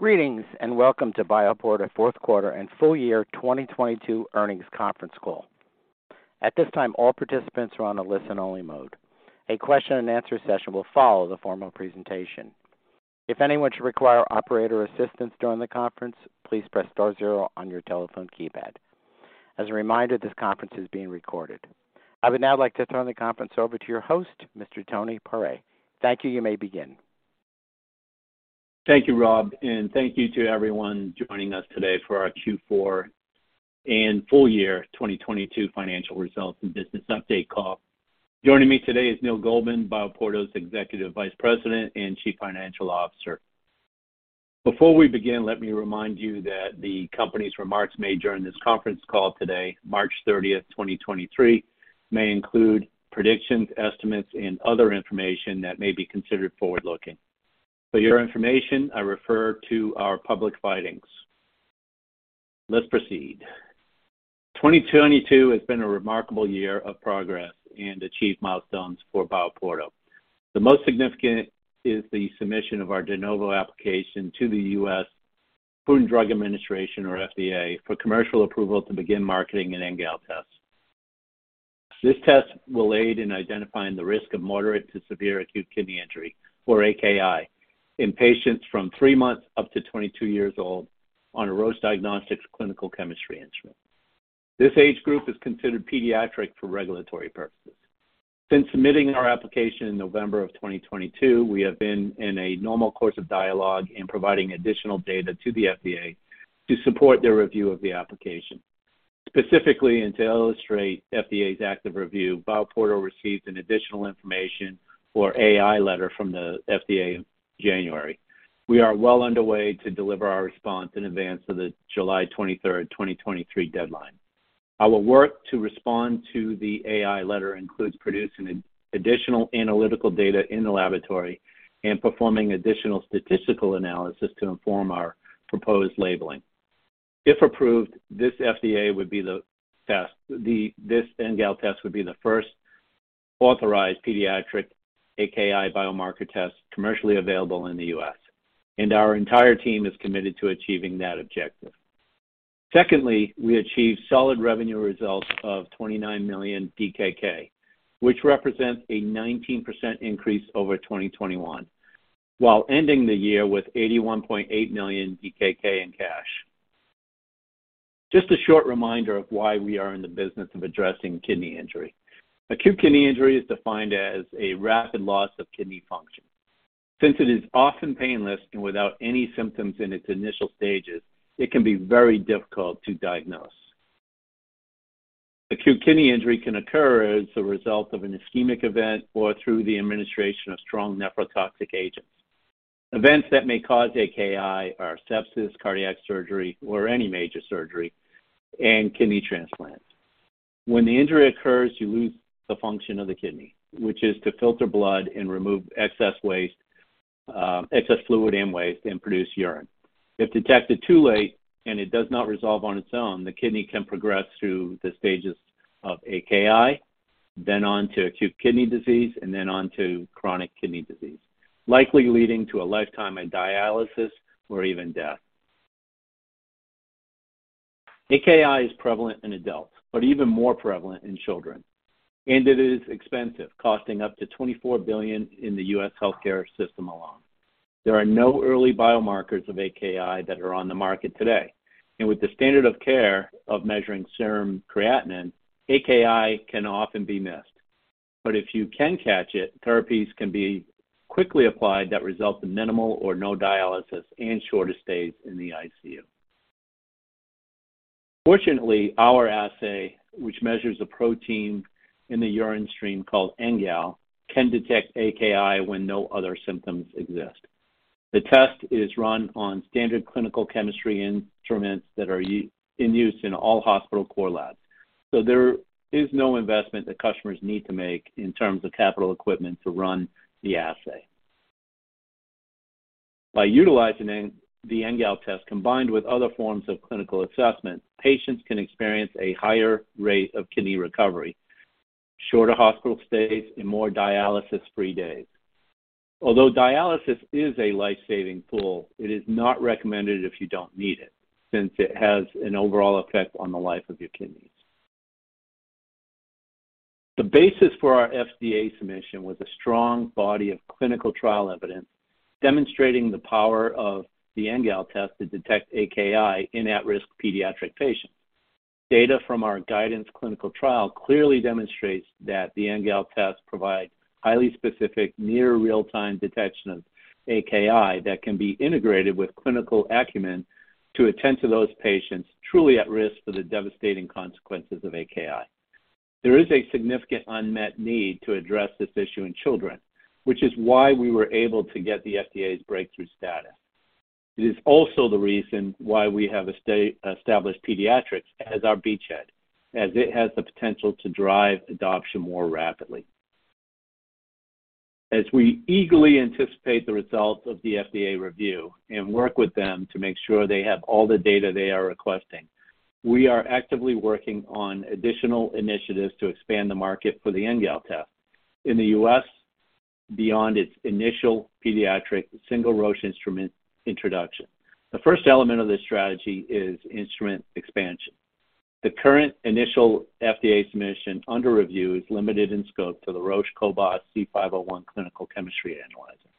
Greetings, welcome to BioPorto Fourth Quarter and Full Year 2022 Earnings Conference Call. At this time, all participants are on a listen-only mode. A question and answer session will follow the formal presentation. If anyone should require operator assistance during the conference, please press star zero on your telephone keypad. As a reminder, this conference is being recorded. I would now like to turn the conference over to your host, Mr. Tony Pare. Thank you. You may begin. Thank you, Rob, and thank you to everyone joining us today for our Q4 and full year 2022 financial results and business update call. Joining me today is Neil Goldman, BioPorto's Executive Vice President and Chief Financial Officer. Before we begin, let me remind you that the company's remarks made during this conference call today, March 30th, 2023, may include predictions, estimates, and other information that may be considered forward-looking. For your information, I refer to our public filings. Let's proceed. 2022 has been a remarkable year of progress and achieved milestones for BioPorto. The most significant is the submission of our de novo application to the U.S. Food and Drug Administration, or FDA, for commercial approval to begin marketing an NGAL Test. This test will aid in identifying the risk of moderate to severe acute kidney injury, or AKI, in patients from three months up to 22 years old on a Roche Diagnostics clinical chemistry instrument. This age group is considered pediatric for regulatory purposes. Since submitting our application in November of 2022, we have been in a normal course of dialogue and providing additional data to the FDA to support their review of the application. to illustrate FDA's active review, BioPorto received an Additional Information or AI letter from the FDA in January. We are well underway to deliver our response in advance of the July 23rd, 2023 deadline. Our work to respond to the AI letter includes producing additional analytical data in the laboratory and performing additional statistical analysis to inform our proposed labeling. If approved, NGAL Test would be the first authorized pediatric AKI biomarker test commercially available in the U.S. Our entire team is committed to achieving that objective. Secondly, we achieved solid revenue results of 29 million DKK, which represents a 19% increase over 2021, while ending the year with 81.8 million DKK in cash. Just a short reminder of why we are in the business of addressing kidney injury. Acute kidney injury is defined as a rapid loss of kidney function. Since it is often painless and without any symptoms in its initial stages, it can be very difficult to diagnose. Acute kidney injury can occur as a result of an ischemic event or through the administration of strong nephrotoxic agents. Events that may cause AKI are sepsis, cardiac surgery, or any major surgery, and kidney transplants. When the injury occurs, you lose the function of the kidney, which is to filter blood and remove excess waste, excess fluid and waste, and produce urine. If detected too late and it does not resolve on its own, the kidney can progress through the stages of AKI, then on to acute kidney disease, and then on to chronic kidney disease, likely leading to a lifetime of dialysis or even death. AKI is prevalent in adults, but even more prevalent in children, and it is expensive, costing up to $24 billion in the U.S. healthcare system alone. There are no early biomarkers of AKI that are on the market today, and with the standard of care of measuring serum creatinine, AKI can often be missed. If you can catch it, therapies can be quickly applied that result in minimal or no dialysis and shorter stays in the ICU. Fortunately, our assay, which measures a protein in the urine stream called NGAL, can detect AKI when no other symptoms exist. The test is run on standard clinical chemistry instruments that are in use in all hospital core labs, there is no investment that customers need to make in terms of capital equipment to run the assay. By utilizing NGAL Test combined with other forms of clinical assessment, patients can experience a higher rate of kidney recovery, shorter hospital stays, and more dialysis-free days. Dialysis is a life-saving tool, it is not recommended if you don't need it since it has an overall effect on the life of your kidneys. The basis for our FDA submission was a strong body of clinical trial evidence demonstrating the power of NGAL Test to detect AKI in at-risk pediatric patients. Data from our guidance clinical trial clearly demonstrates that NGAL Test provide highly specific, near real-time detection of AKI that can be integrated with clinical acumen to attend to those patients truly at risk for the devastating consequences of AKI. There is a significant unmet need to address this issue in children, which is why we were able to get the FDA Breakthrough status. It is also the reason why we have established pediatrics as our beachhead, as it has the potential to drive adoption more rapidly. As we eagerly anticipate the results of the FDA review and work with them to make sure they have all the data they are requesting, we are actively working on additional initiatives to expand the market for NGAL Test. in the U.S., beyond its initial pediatric single Roche instrument introduction. The first element of this strategy is instrument expansion. The current initial FDA submission under review is limited in scope to the Roche cobas c 501 clinical chemistry analyzer.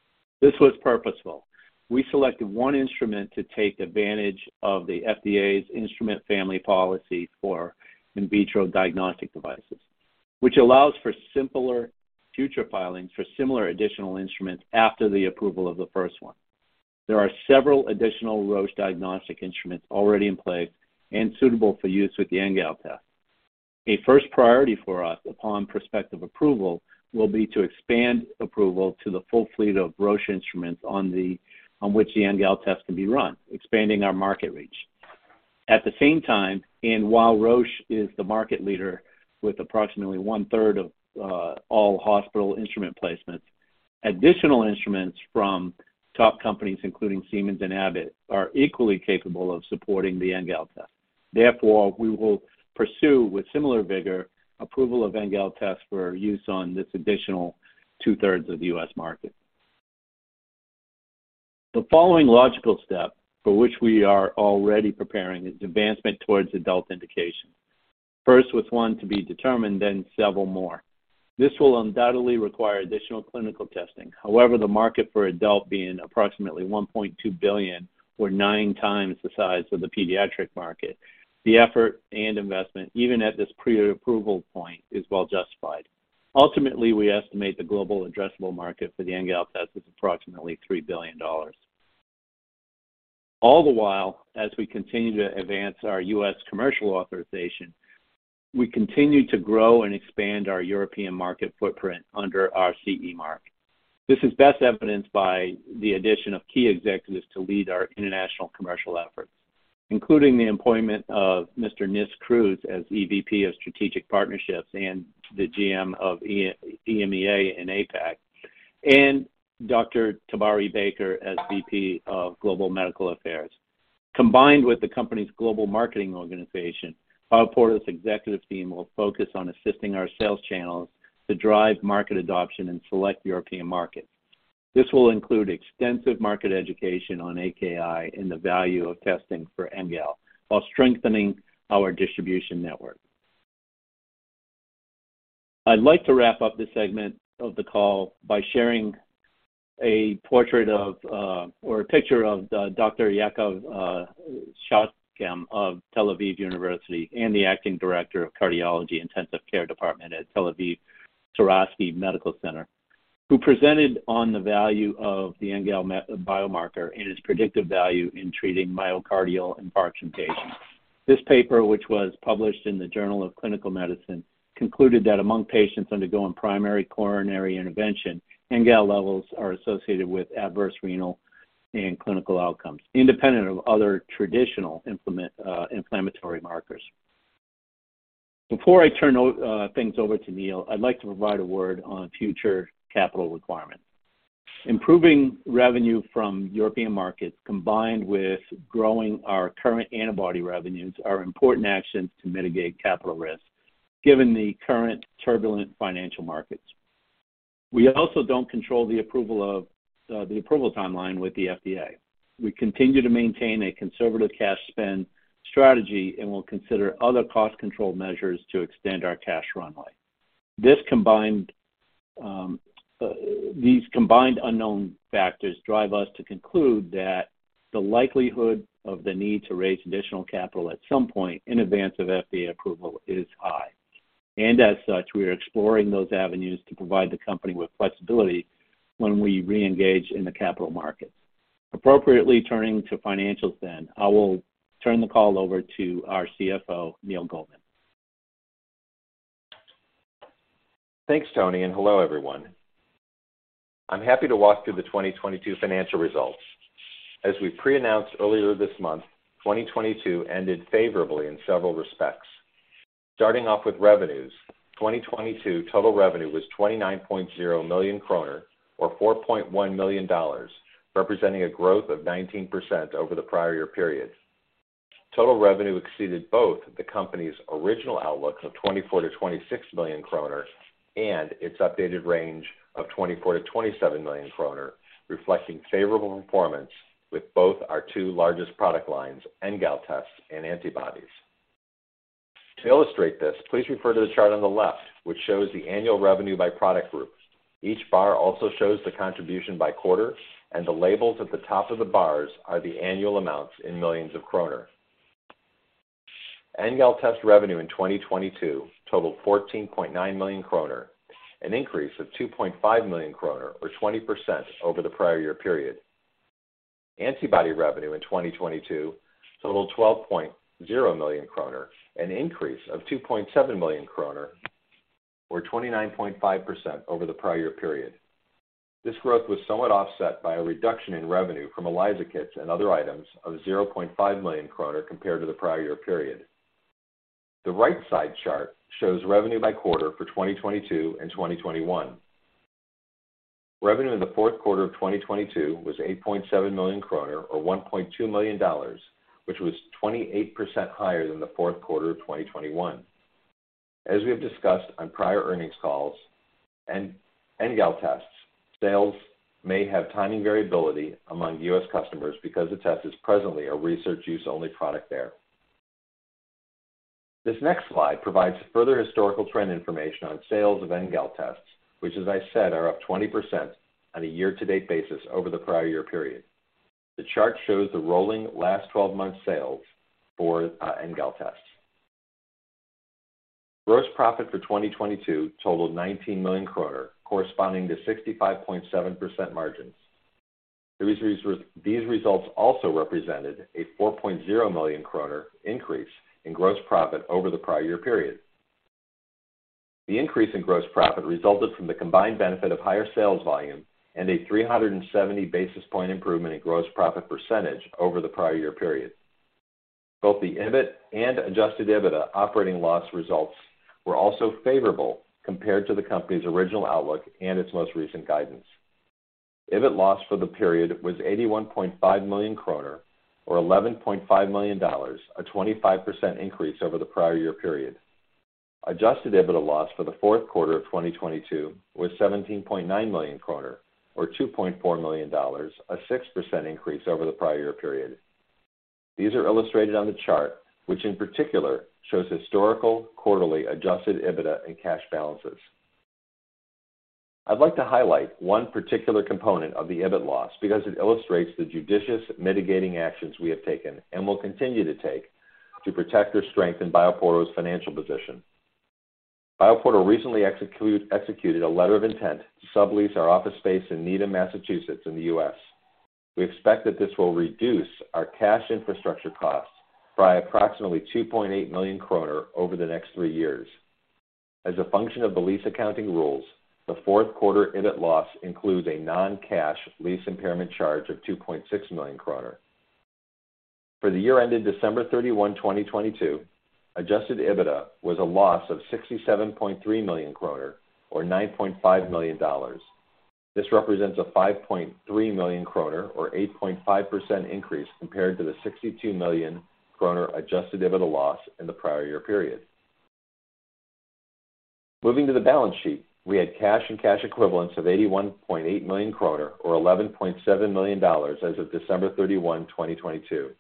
This was purposeful. We selected one instrument to take advantage of the FDA's instrument family policy for in vitro diagnostic devices, which allows for simpler future filings for similar additional instruments after the approval of the first one. There are several additional Roche diagnostic instruments already in place and suitable for use with NGAL Test. a first priority for us upon prospective approval will be to expand approval to the full fleet of Roche instruments on which NGAL Test can be run, expanding our market reach. While Roche is the market leader with approximately 1/3 of all hospital instrument placements, additional instruments from top companies, including Siemens and Abbott, are equally capable of supporting the NGAL Test. Therefore, we will pursue with similar vigor, approval NGAL Test for use on this additional 2/3 of the U.S. market. The following logical step, for which we are already preparing, is advancement towards adult indication. First with one to be determined, then several more. This will undoubtedly require additional clinical testing. However, the market for adult being approximately $1.2 billion, or 9x the size of the pediatric market. The effort and investment, even at this pre-approval point, is well justified. Ultimately, we estimate the global addressable market for NGAL Test is approximately $3 billion. All the while, as we continue to advance our U.S. commercial authorization, we continue to grow and expand our European market footprint under our CE mark. This is best evidenced by the addition of key executives to lead our international commercial efforts, including the appointment of Mr. Nis Kruse as EVP of Strategic Partnerships and the GM of EMEA and APAC, and Dr. Tabari Baker as VP of Global Medical Affairs. Combined with the company's global marketing organization, BioPorto's executive team will focus on assisting our sales channels to drive market adoption in select European markets. This will include extensive market education on AKI and the value of testing for NGAL while strengthening our distribution network. I'd like to wrap up this segment of the call by sharing a portrait of, or a picture of the Dr. Yaacov Shechter of Tel Aviv University and the acting director of Cardiology Intensive Care Department at Tel Aviv Sourasky Medical Center, who presented on the value of the NGAL biomarker and its predictive value in treating myocardial infarction patients. This paper, which was published in the Journal of Clinical Medicine, concluded that among patients undergoing primary coronary intervention, NGAL levels are associated with adverse renal and clinical outcomes, independent of other traditional inflammatory markers. Before I turn things over to Neil, I'd like to provide a word on future capital requirements. Improving revenue from European markets combined with growing our current antibody revenues are important actions to mitigate capital risk, given the current turbulent financial markets. We also don't control the approval of the approval timeline with the FDA. We continue to maintain a conservative cash spend strategy and will consider other cost control measures to extend our cash runway. These combined unknown factors drive us to conclude that the likelihood of the need to raise additional capital at some point in advance of FDA approval is high. As such, we are exploring those avenues to provide the company with flexibility when we re-engage in the capital markets. Appropriately turning to financials, I will turn the call over to our CFO, Neil Goldman. Thanks, Tony. Hello, everyone. I'm happy to walk through the 2022 financial results. As we pre-announced earlier this month, 2022 ended favorably in several respects. Starting off with revenues, 2022 total revenue was 29.0 million kroner or $4.1 million, representing a growth of 19% over the prior year period. Total revenue exceeded both the company's original outlook of 24 million-26 million kroner and its updated range of 24 million-27 million kroner, reflecting favorable performance with both our two largest product NGAL Tests and antibodies. To illustrate this, please refer to the chart on the left, which shows the annual revenue by product group. Each bar also shows the contribution by quarter. The labels at the top of the bars are the annual amounts in millions of Krone. NGAL Test revenue in 2022 totaled 14.9 million kroner, an increase of 2.5 million kroner or 20% over the prior year period. Antibody revenue in 2022 totaled 12.0 million kroner, an increase of 2.7 million kroner or 29.5% over the prior year period. This growth was somewhat offset by a reduction in revenue from ELISA kits and other items of 0.5 million kroner compared to the prior year period. The right side chart shows revenue by quarter for 2022 and 2021. Revenue in the fourth quarter of 2022 was 8.7 million kroner or $1.2 million, which was 28% higher than the fourth quarter of 2021. As we have discussed on prior earnings calls NGAL Tests, sales may have timing variability among U.S. customers because the test is presently a Research Use Only product there. This next slide provides further historical trend information on sales NGAL Tests, which as I said, are up 20% on a year-to-date basis over the prior year period. The chart shows the rolling last 12 months sales NGAL Tests. gross profit for 2022 totaled 19 million kroner, corresponding to 65.7% margins. These results also represented a 4.0 million kroner increase in gross profit over the prior year period. The increase in gross profit resulted from the combined benefit of higher sales volume and a 370 basis point improvement in gross profit percentage over the prior year period. Both the EBIT and Adjusted EBITDA operating loss results were also favorable compared to the company's original outlook and its most recent guidance. EBIT loss for the period was 81.5 million kroner or $11.5 million, a 25% increase over the prior year period. Adjusted EBITDA loss for the fourth quarter of 2022 was 17.9 million kroner or $2.4 million, a 6% increase over the prior year period. These are illustrated on the chart, which in particular shows historical quarterly Adjusted EBITDA and cash balances. I'd like to highlight one particular component of the EBIT loss because it illustrates the judicious mitigating actions we have taken and will continue to take to protect or strengthen BioPorto's financial position. BioPorto recently executed a letter of intent to sublease our office space in Needham, Massachusetts in the U.S. We expect that this will reduce our cash infrastructure costs by approximately 2.8 million kroner over the next three years. As a function of the lease accounting rules, the fourth quarter EBIT loss includes a non-cash lease impairment charge of 2.6 million kroner. For the year ended December 31, 2022, Adjusted EBITDA was a loss of 67.3 million kroner or $9.5 million. This represents a 5.3 million kroner or 8.5% increase compared to the 62 million kroner Adjusted EBITDA loss in the prior year period. Moving to the balance sheet, we had cash and cash equivalents of 81.8 million kroner or $11.7 million as of December 31, 2022.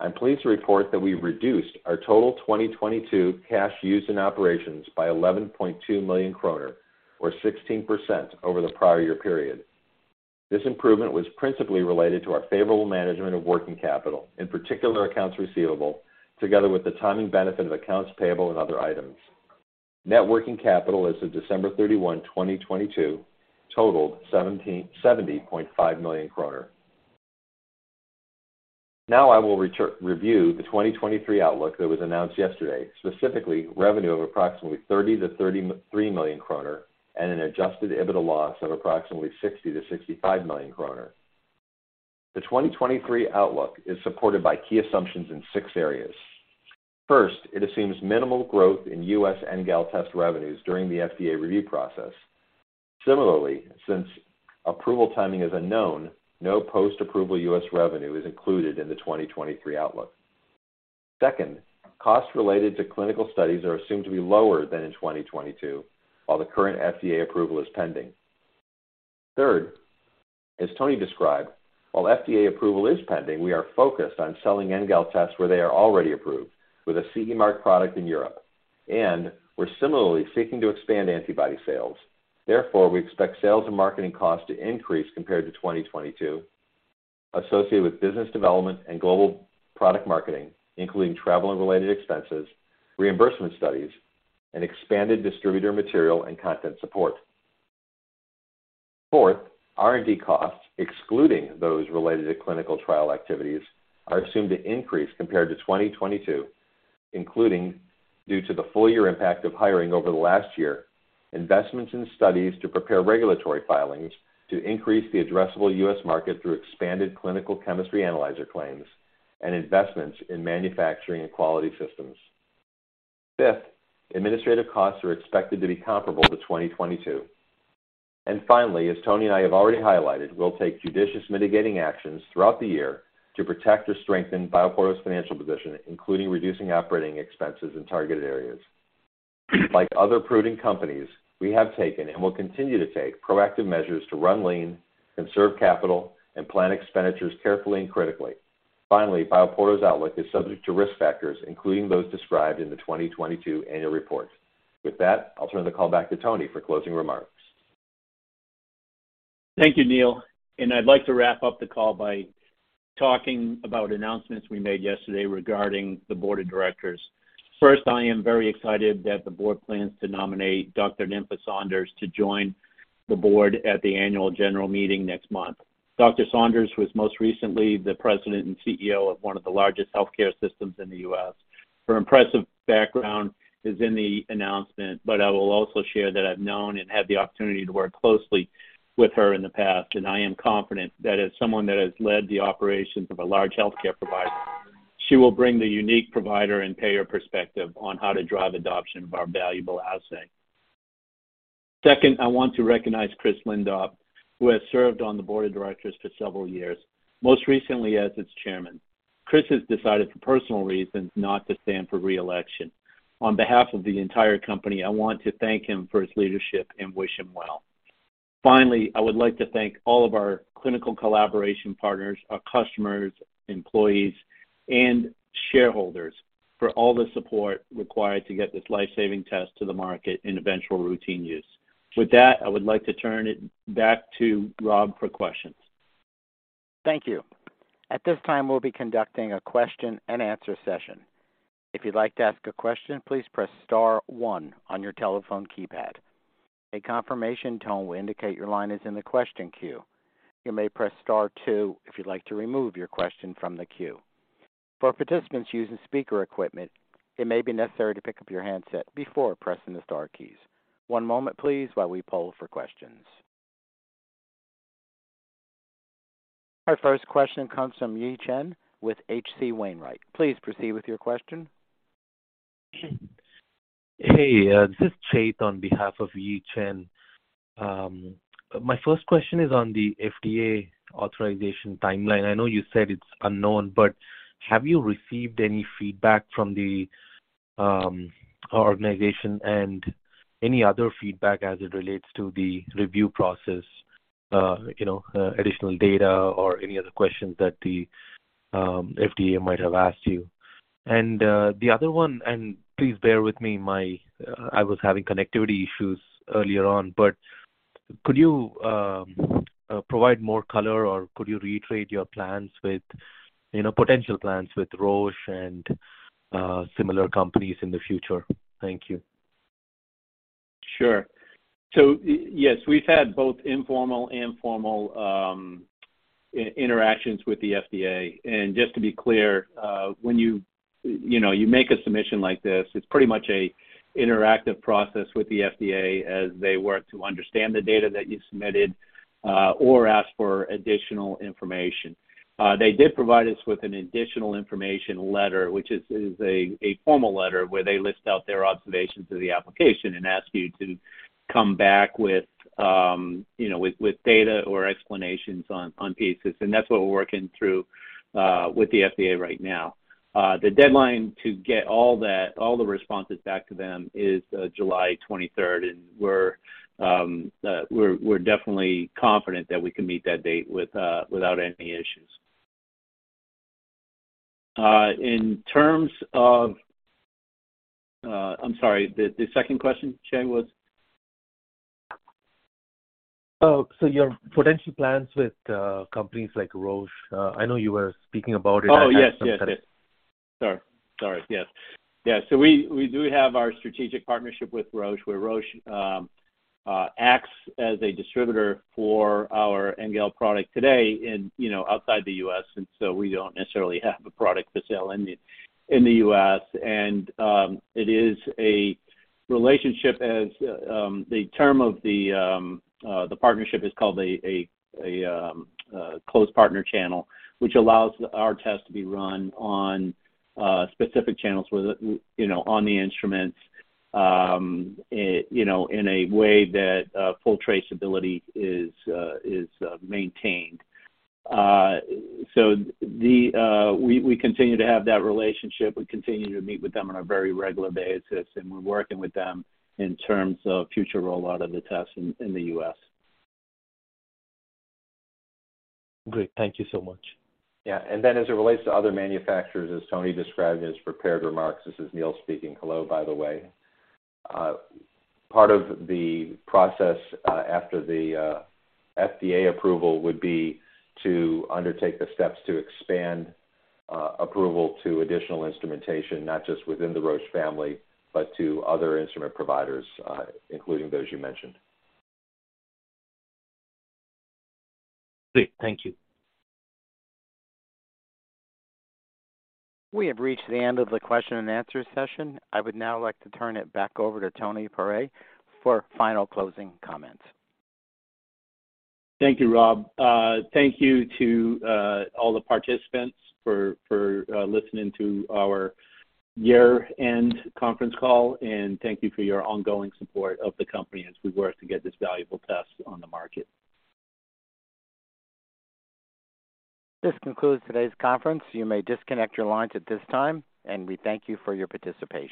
I'm pleased to report that we've reduced our total 2022 cash used in operations by 11.2 million kroner or 16% over the prior year period. This improvement was principally related to our favorable management of working capital, in particular accounts receivable, together with the timing benefit of accounts payable and other items. Net working capital as of December 31, 2022 totaled 70.5 million DKK. I will review the 2023 outlook that was announced yesterday, specifically revenue of approximately 30 million-33 million kroner and an Adjusted EBITDA loss of approximately 60-65 million kroner. The 2023 outlook is supported by key assumptions in six areas. First, it assumes minimal growth in NGAL Test revenues during the FDA review process. Since approval timing is unknown, no post-approval U.S. revenue is included in the 2023 outlook. Second, costs related to clinical studies are assumed to be lower than in 2022, while the current FDA approval is pending. Third, as Tony described, while FDA approval is pending, we are focused on NGAL Tests where they are already approved with a CE mark product in Europe, and we're similarly seeking to expand antibody sales. We expect sales and marketing costs to increase compared to 2022, associated with business development and global product marketing, including travel and related expenses, reimbursement studies, and expanded distributor material and content support. Fourth, R&D costs, excluding those related to clinical trial activities, are assumed to increase compared to 2022, including due to the full year impact of hiring over the last year, investments in studies to prepare regulatory filings to increase the addressable U.S. market through expanded clinical chemistry analyzer claims and investments in manufacturing and quality systems. Fifth, administrative costs are expected to be comparable to 2022. Finally, as Tony and I have already highlighted, we'll take judicious mitigating actions throughout the year to protect or strengthen BioPorto's financial position, including reducing operating expenses in targeted areas. Like other prudent companies, we have taken and will continue to take proactive measures to run lean, conserve capital, and plan expenditures carefully and critically. Finally, BioPorto's outlook is subject to risk factors, including those described in the 2022 annual report. With that, I'll turn the call back to Tony for closing remarks. Thank you, Neil. I'd like to wrap up the call by talking about announcements we made yesterday regarding the board of directors. First, I am very excited that the board plans to nominate Dr. Norma Padrón to join the board at the annual general meeting next month. Dr. Padrón was most recently the President and CEO of one of the largest healthcare systems in the U.S. Her impressive background is in the announcement, but I will also share that I've known and had the opportunity to work closely with her in the past, and I am confident that as someone that has led the operations of a large healthcare provider, she will bring the unique provider and payer perspective on how to drive adoption of our valuable assay. I want to recognize Christopher Lindop, who has served on the board of directors for several years, most recently as its chairman. Chris has decided for personal reasons not to stand for re-election. On behalf of the entire company, I want to thank him for his leadership and wish him well. I would like to thank all of our clinical collaboration partners, our customers, employees, and shareholders for all the support required to get this life-saving test to the market in eventual routine use. With that, I would like to turn it back to Rob for questions. Thank you. At this time, we'll be conducting a question and answer session. If you'd like to ask a question, please press star one on your telephone keypad. A confirmation tone will indicate your line is in the question queue. You may press star two if you'd like to remove your question from the queue. For participants using speaker equipment, it may be necessary to pick up your handset before pressing the star keys. One moment, please, while we poll for questions. Our first question comes from Yi Chen with H.C. Wainwright. Please proceed with your question. Hey, this is Chase on behalf of Yi Chen. My first question is on the FDA authorization timeline. I know you said it's unknown, but have you received any feedback from the organization and any other feedback as it relates to the review process, you know, additional data or any other questions that the FDA might have asked you? And the other one, and please bear with me, my I was having connectivity issues earlier on, but could you provide more color or could you reiterate your plans with, you know, potential plans with Roche and similar companies in the future? Thank you. Sure. Yes, we've had both informal and formal interactions with the FDA. Just to be clear, when you know, you make a submission like this, it's pretty much a interactive process with the FDA as they work to understand the data that you submitted, or ask for additional information. They did provide us with an Additional Information letter, which is a formal letter where they list out their observations of the application and ask you to come back with, you know, with data or explanations on cases. That's what we're working through with the FDA right now. The deadline to get all the responses back to them is July 23rd, and we're definitely confident that we can meet that date without any issues. In terms of, I'm sorry, the second question, Chase, was? Oh, your potential plans with companies like Roche. I know you were speaking about it. Oh, yes. At some point. Sorry. Sorry. Yes. Yeah. We do have our strategic partnership with Roche, where Roche acts as a distributor for our NGAL product today in, you know, outside the U.S., we don't necessarily have a product for sale in the U.S. It is a relationship as the term of the partnership is called a close partner channel, which allows our test to be run on specific channels with, you know, on the instruments, it, you know, in a way that full traceability is maintained. We continue to have that relationship. We continue to meet with them on a very regular basis, and we're working with them in terms of future rollout of the test in the U.S. Great. Thank you so much. Yeah. Then as it relates to other manufacturers, as Tony described in his prepared remarks, this is Neil speaking. Hello, by the way. Part of the process, after the FDA approval would be to undertake the steps to expand approval to additional instrumentation, not just within the Roche family, but to other instrument providers, including those you mentioned. Great. Thank you. We have reached the end of the question and answer session. I would now like to turn it back over to Tony Pare for final closing comments. Thank you, Rob. Thank you to all the participants for listening to our year-end conference call, and thank you for your ongoing support of the company as we work to get this valuable test on the market. This concludes today's conference. You may disconnect your lines at this time. We thank you for your participation.